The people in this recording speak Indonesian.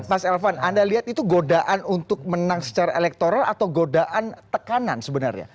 mas elvan anda lihat itu godaan untuk menang secara elektoral atau godaan tekanan sebenarnya